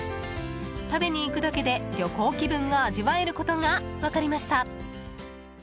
食べに行くだけで旅行気分が味わえることが分かりました。